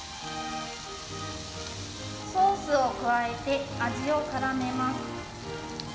ソースを加えて味をからめます。